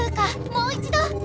もう一ど！